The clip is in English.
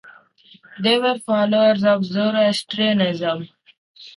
They were followers of Zoroastrianism.